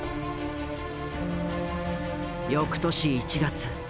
翌年１月。